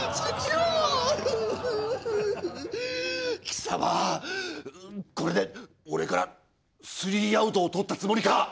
貴様これで俺からスリーアウトをとったつもりか？